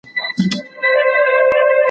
پرمختللی تعلیم بې وزلي کموي.